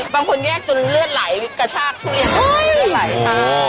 บางคนแยกจนเลือดไหลกระชากทุเรียน